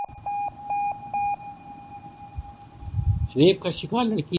rape کا شکار لڑکی کی کہانی پر مبنی صبور علی کا نیا ڈراما